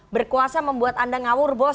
berkuasa membuat anda ngawur bos